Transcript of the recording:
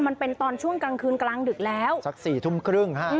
มันเป็นตอนช่วงกลางคืนกลางดึกแล้วสัก๔ทุ่มครึ่งฮะ